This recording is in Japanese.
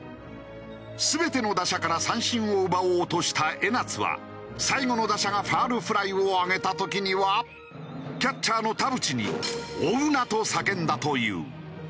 全ての打者から三振を奪おうとした江夏は最後の打者がファウルフライを上げた時にはキャッチャーの田淵に「追うな！」と叫んだという。